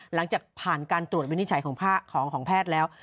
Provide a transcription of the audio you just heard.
หลังจากผ่านการตรวจวินิจฉัยของแพทย์แล้ว